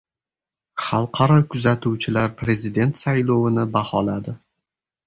Xalqaro kuzatuvchilar Prezident saylovini baholadi